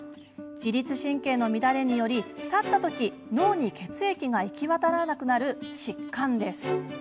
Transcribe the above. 自律神経の乱れにより立った時脳に血液が行き渡らなくなる疾患です。